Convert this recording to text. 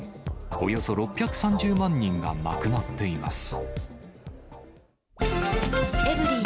およそ６３０万人が亡くなっています。